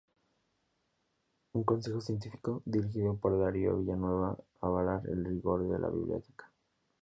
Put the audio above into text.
Un consejo científico, dirigido por Darío Villanueva, avala el rigor de la biblioteca.